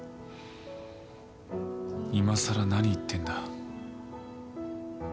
いまさら何言ってんだ。